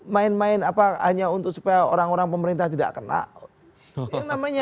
main main apa hanya untuk supaya orang orang pemerintah tidak kena